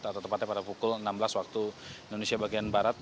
atau tepatnya pada pukul enam belas waktu indonesia bagian barat